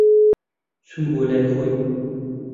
چووم بۆ لای خۆی.